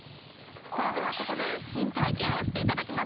さあではここで新体験をしていただきましょう。